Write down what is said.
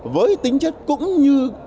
với tính chất cũng như